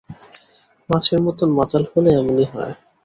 মাছের মতন মাতাল হলে এমনই হয়!